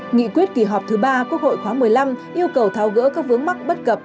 nghị quyết kỳ họp thứ ba quốc hội khóa một mươi năm yêu cầu tháo gỡ các vướng mắc bất cập